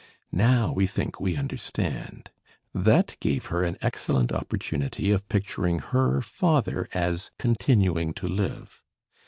Now we think we understand. That gave her an excellent opportunity of picturing her father as continuing to live.